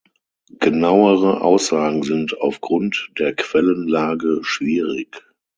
Genauere Aussagen sind auf Grund der Quellenlage schwierig.